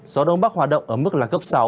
gió đông bắc hoạt động ở mức là cấp sáu